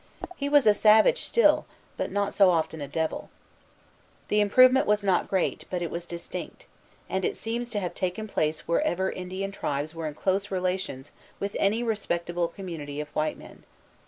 He was a savage still, but not so often a devil. The improvement was not great, but it was distinct; and it seems to have taken place wherever Indian tribes were in close relations with any respectable community of white men.